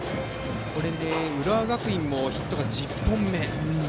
これで、浦和学院もヒットが１０本目。